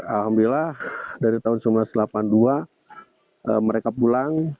alhamdulillah dari tahun seribu sembilan ratus delapan puluh dua mereka pulang